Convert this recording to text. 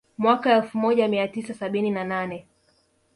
Mwaka elfu moja mia tisa sabini na nane